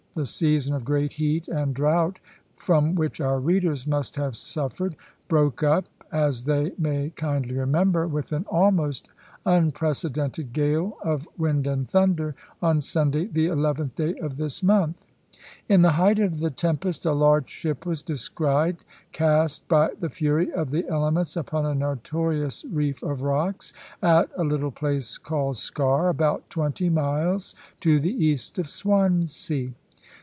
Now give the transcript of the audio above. The season of great heat and drought, from which our readers must have suffered, broke up, as they may kindly remember, with an almost unprecedented gale of wind and thunder, on Sunday, the 11th day of this month. In the height of the tempest a large ship was descried, cast by the fury of the elements upon a notorious reef of rocks, at a little place called Sker, about twenty miles to the east of Swansea.